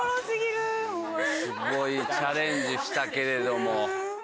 すごいチャレンジしたけれども。